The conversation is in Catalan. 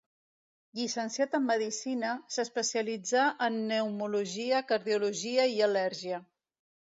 Llicenciat en medicina, s'especialitzà en pneumologia, cardiologia i al·lèrgia.